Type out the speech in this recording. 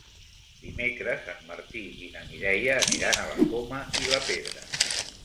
Dimecres en Martí i na Mireia aniran a la Coma i la Pedra.